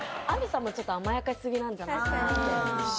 あみさんもちょっと甘やかし過ぎなんじゃないかなって。